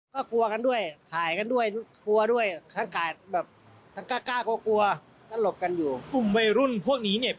สมัยวันสถาปนา